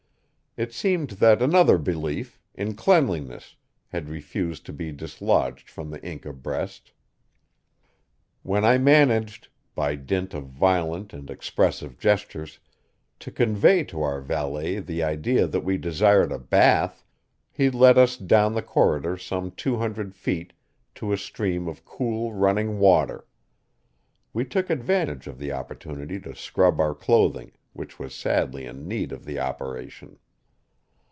It seemed that another belief in cleanliness had refused to be dislodged from the Inca breast. When I managed, by dint of violent and expressive gestures, to convey to our valet the idea that we desired a bath, he led us down the corridor some two hundred feet to a stream of cool running water. We took advantage of the opportunity to scrub our clothing, which was sadly in need of the operation.